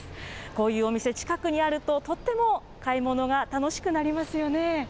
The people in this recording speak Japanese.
こういうお店、近くにあると、とっても買い物が楽しくなりますよね。